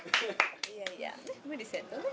・いやいや無理せんとね。